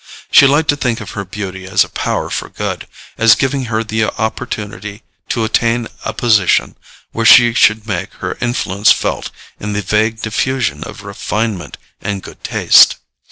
She liked to think of her beauty as a power for good, as giving her the opportunity to attain a position where she should make her influence felt in the vague diffusion of refinement and good taste.